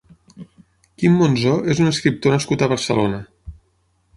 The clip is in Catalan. Quim Monzó és un escriptor nascut a Barcelona.